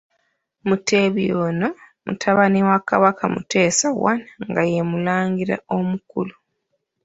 Mutebi ono, mutabani wa Kabaka Mutesa I, nga ye mulangira omukulu.